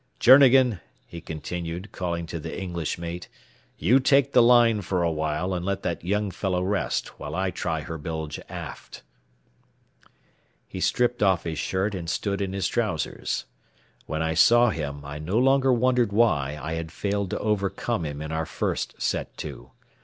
"Journegan," he continued, calling to the English mate, "you take the line for a while, and let that young fellow rest, while I try her bilge aft." He stripped off his shirt and stood in his trousers. When I saw him, I no longer wondered why I had failed to overcome him in our first set to.